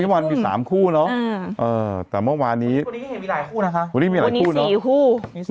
มี๓คู่นะแต่เมื่อวานนี้คือวันนี้มี๓คู่